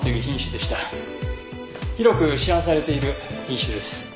広く市販されている品種です。